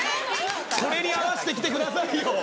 これに合わせて来てくださいよ。